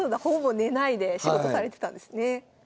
ほぼ寝ないで仕事されてたんですね。